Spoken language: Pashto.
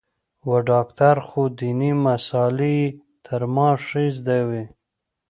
و ډاکتر خو ديني مسالې يې تر ما ښې زده وې.